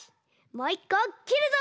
もう１こきるぞ！